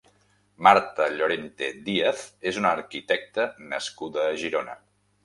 Marta Llorente Díaz és una arquitecta nascuda a Girona.